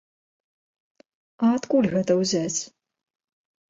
А адкуль гэта ўзяць?